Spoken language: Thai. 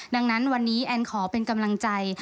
ดังนั้นวันนี้แอนขอเป็นกำลังใจ